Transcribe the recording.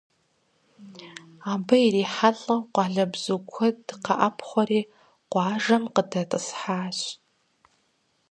Абы ирихьэлӀэу къуалэбзу куэд къэӀэпхъуэри къуажэм къыдэтӀысхьащ.